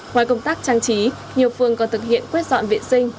ngoài công tác trang trí nhiều phương còn thực hiện quyết dọn viện sinh